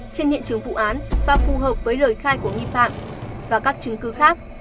trên hiện trường vụ án và phù hợp với lời khai của nghi phạm và các chứng cứ khác